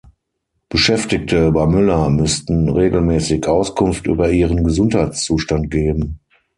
Beschäftigte bei Müller müssten regelmäßig Auskunft über ihren Gesundheitszustand geben.